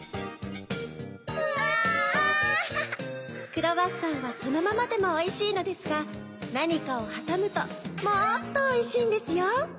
クロワッサンはそのままでもおいしいのですがなにかをはさむともっとおいしいんですよ。